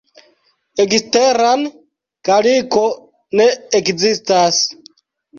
Eksteran kaliko ne ekzistas.